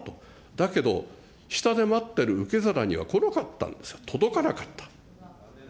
だけど、下で待ってる受け皿には来なかったんですよ、届かなかった。